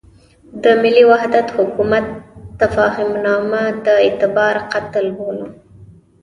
د ملي وحدت حکومت تفاهمنامه د اعتبار قتل بولم.